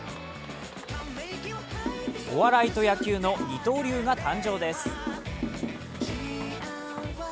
お笑いと野球の二刀流が誕生です。